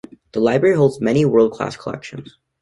The library holds many world-class collections.